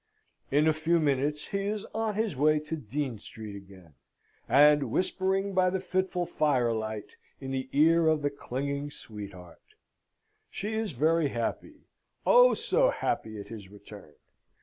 In a few minutes he is on his way to Dean Street again, and whispering by the fitful firelight in the ear of the clinging sweetheart. She is very happy oh, so happy! at his return.